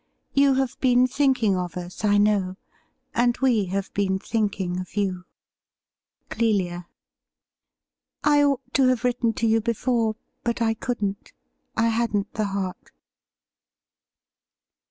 You have been thinking of us, I know, and we have been thinking of you. ' Clelia. ' I ought to have written to you before, but I couldn't ; I hadn't the heart.'